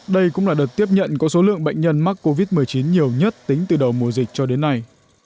đây cũng là đợt tiếp nhận có số lượng bệnh nhân mắc covid một mươi chín nhiều nhất tính từ đầu mùa dịch cho đến nay